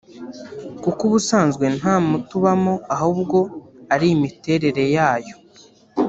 kuko ubusanzwe nta muti ubamo ahubwo ari imiterere yayo